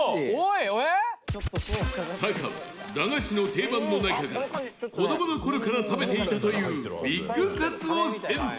タカは駄菓子の定番の中から子供の頃から食べていたというＢＩＧカツを選択